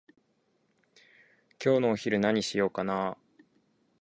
今日のお昼何にしようかなー？